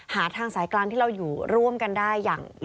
หาทางสายกลางที่เราอยู่ร่วมกันได้อย่าง